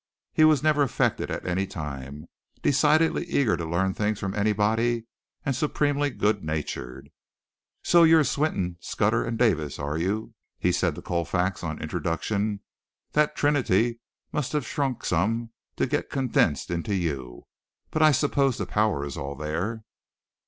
He was never affected at any time, decidedly eager to learn things from anybody and supremely good natured. "So you're Swinton, Scudder and Davis, are you?" he said to Colfax on introduction. "That trinity must have shrunk some to get condensed into you, but I suppose the power is all there."